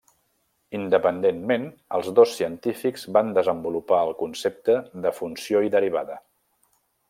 Independentment, els dos científics van desenvolupar el concepte de funció i derivada.